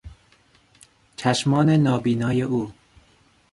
چشمان نابینای او